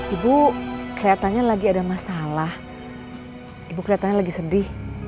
ibu kelihatannya lagi ada masalah ibu kelihatannya lagi sedih